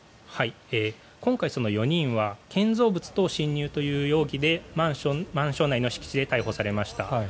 今回、４人は建造物等侵入という容疑でマンション内の敷地で逮捕されました。